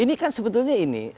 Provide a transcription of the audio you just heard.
ini kan sebetulnya ini